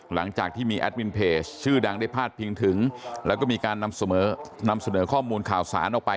หลังจากที่มีแอดมินเพจชื่อดังได้พาดพิงถึงแล้วก็มีการนำเสนอนำเสนอข้อมูลข่าวสารออกไป